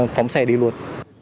phóng xe đi luôn